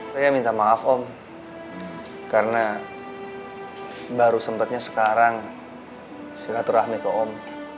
saya minta maaf om karena baru sempatnya sekarang silaturahmi ke om